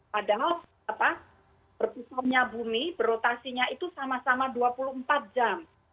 padahal berpusatnya bumi berotasinya itu sama sama dua puluh empat jam